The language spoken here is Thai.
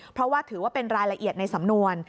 เพราะว่าถือว่าเป็นรายละเอียดในสำนวน